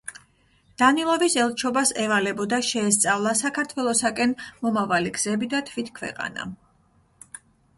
დანილოვის ელჩობას ევალებოდა შეესწავლა საქართველოსაკენ მომავალი გზები და თვით ქვეყანა.